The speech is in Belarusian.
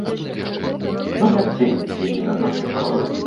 Ён як цень, які над маёй галавой.